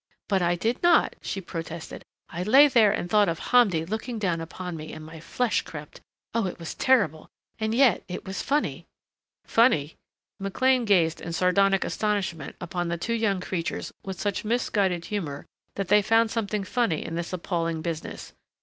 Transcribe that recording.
"But I did not," she protested. "I lay there and thought of Hamdi looking down upon me, and my flesh crept.... Oh, it was terrible! And yet it was funny." Funny.... McLean gazed in sardonic astonishment upon the two young creatures with such misguided humor that they found something funny in this appalling business.